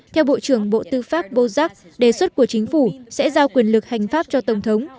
theo bộ trưởng bộ tư pháp bozak đề xuất của chính phủ sẽ giao quyền lực hành pháp cho tổng thống